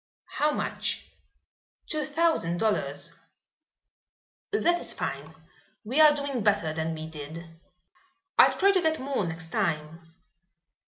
"How much?" "Two thousand dollars." "That is fine. We are doing better than we did." "I'll try to get more next time."